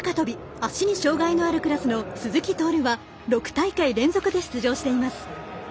足に障がいのあるクラスの鈴木徹は６大会連続で出場しています。